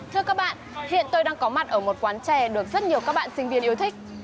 thưa các bạn hiện tôi đang có mặt ở một quán chè được rất nhiều các bạn sinh viên yêu thích